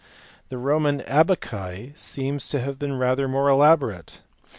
The Roman abaci seem to have been rather more elaborate.